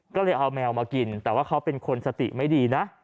ก็เลยเอาแมวมากินแต่ว่าเขาเป็นคนสติไม่ดีนะ